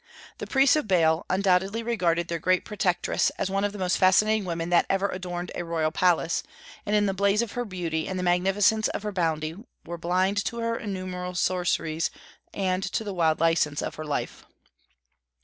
The priests of Baal undoubtedly regarded their great protectress as one of the most fascinating women that ever adorned a royal palace, and in the blaze of her beauty and the magnificence of her bounty were blind to her innumerable sorceries and the wild license of her life.